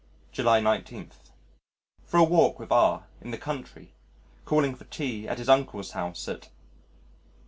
July 19. For a walk with R in the country, calling for tea at his Uncle's house at